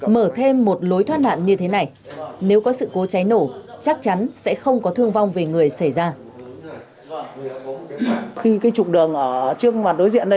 mở thêm một lối thoát nạn như thế này nếu có sự cố cháy nổ chắc chắn sẽ không có thương vong về người xảy ra